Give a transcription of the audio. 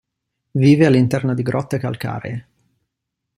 Vive all'interno di grotte calcaree.